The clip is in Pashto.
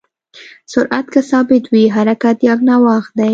سرعت که ثابت وي، حرکت یکنواخت دی.